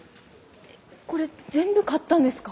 えっこれ全部買ったんですか？